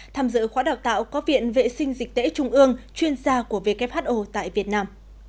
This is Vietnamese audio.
tham dự khóa đào tạo có viện vệ sinh dịch tễ trung ương chuyên gia của who tại việt nam